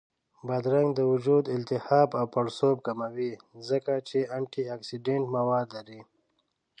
بادرنګ د وجود التهاب او پړسوب کموي، ځکه چې انټياکسیدنټ مواد لري